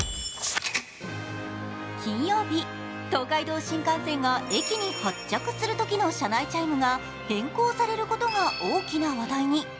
金曜日、東海道新幹線が駅に発着するときの車内チャイムが変更されることが大きな話題に。